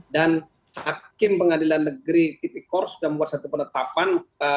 dan hakim pengadilan negeri tipikor sudah membuat satu penetapan